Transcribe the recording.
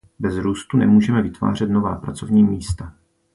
Bez růstu nemůžeme vytvářet nová pracovní místa.